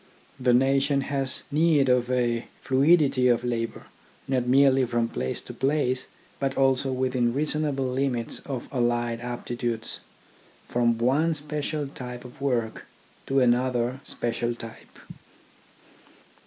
The nation has need of a fluidity of labour, not merely from place to place, but also within reasonable limits of allied aptitudes, from one special type of work to another special type.